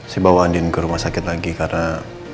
saya bawa andin ke rumah sakit lagi karena